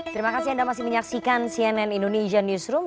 terima kasih anda masih menyaksikan cnn indonesia newsroom